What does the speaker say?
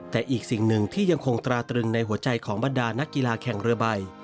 แต่อีกสิ่งหนึ่งที่ยังคงตราตรึงในหัวใจของบรรดานักกีฬาแข่งเรือใบ